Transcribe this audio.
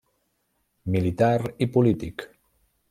Militar i polític.